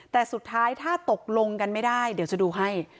แต่สุดท้ายถ้าตกลงกันไม่ได้เดี๋ยวจะดูให้